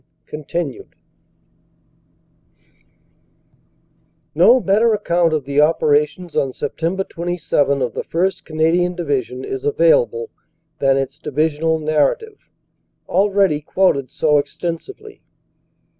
27. CONTINUED NO better account of the operations on Sept. 27 of the 1st. Canadian Division is available than its divisional narrative, already quoted so extensively.